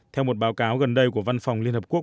theo một báo cáo gần đây của văn phòng liên hợp quốc